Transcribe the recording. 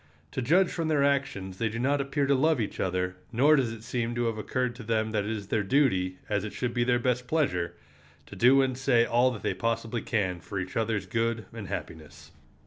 To judge from their actions they do not appear to love each other, nor does it seem to have occurred to them that it is their duty, as it should be their best pleasure, to do and say all that they possibly can for each other's good and happiness.